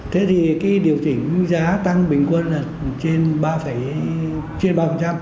thế thì điều chỉnh giá tăng bình quân là trên ba